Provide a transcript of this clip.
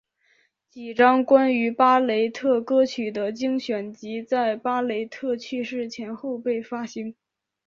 几张关于巴雷特歌曲的精选集在巴雷特去世前后被发行。